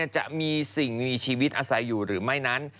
จะมีสิ่งมีชีวิตอาศัยอยู่หรือไม่นั้น